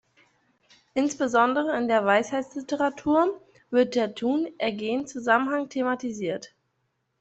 Insbesondere in der Weisheitsliteratur wird der Tun-Ergehen-Zusammenhang thematisiert.